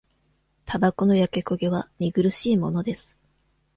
たばこの焼け焦げは、見苦しいものです。